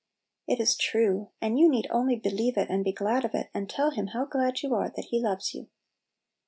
It is true, and you need only believe it, and be glad of it, and tell Him how glad you are that He loves you.